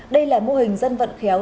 đây là mô hình dân vận khéo